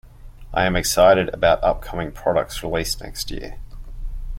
I am excited about upcoming products released next year.